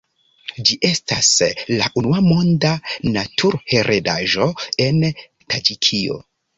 Ĝi estas la unua Monda Naturheredaĵo en Taĝikio.